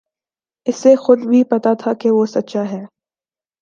اسے خود بھی پتہ تھا کہ وہ سچا ہے